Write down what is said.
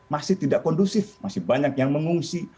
masih tidak kondusif masih banyak yang mengungsi